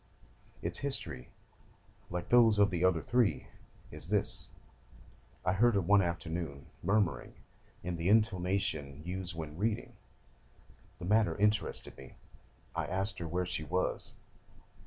Its history, like those of the other three, is this: I heard her one afternoon murmuring in the intonation used when reading; the matter interested me; I asked her where she was.